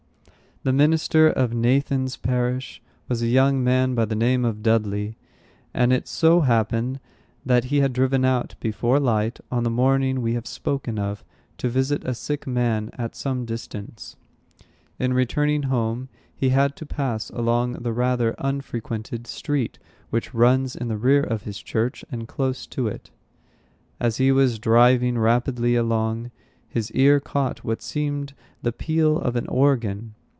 The minister of Nathan's parish was a young man by the name of Dudley; and it so happened that he had driven out, before light, on the morning we have spoken of, to visit a sick man at some distance. In returning home, he had to pass along the rather unfrequented street which runs in the rear of his church, and close to it. As he was driving rapidly along, his ear caught what seemed the peal of an organ.